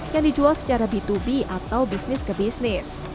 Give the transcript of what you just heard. yang dijual secara b dua b atau bisnis ke bisnis